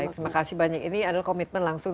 baik terima kasih banyak ini adalah komitmen langsung